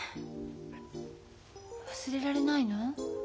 忘れられないの？